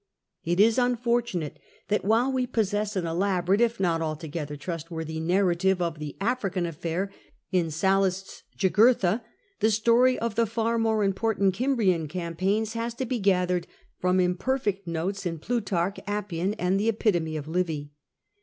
It is unfortunate that while we possess an elaborate (if not altogether trustworthy) narrative of the African affair in Sallust's Jugurtha, the story of the far more important Cimbrian campaigns has to be gathered from imperfect notes in Plutarch, Appian, and the Epitome of Livy.